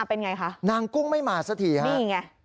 เป็นไงคะนางกุ้งไม่มาสักทีฮะนี่ไง